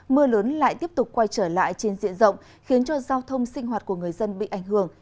mưa lớn lại tiếp tục quay trở lại trên diện rộng khiến cho giao thông sinh hoạt của người dân bị ảnh hưởng